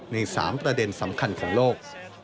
ใน๓ประเด็นสำคัญของโลก